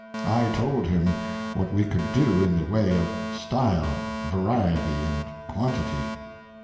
I told him what we could do in the way of style, variety, and quantity.